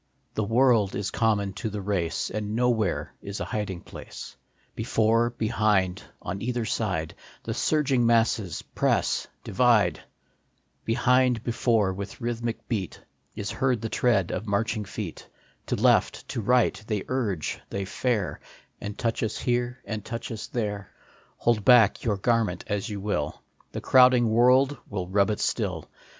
The world is common to the race, And nowhere is a hiding place ; Before, behind, on either side, The surging masses press, divide ; Behind, before, with rhythmic beat, Is heard the tread of marching feet ; To left, to right, they urge, they fare, And touch us here, and touch us there. Hold back your garment as you will, The crowding world will rub it still.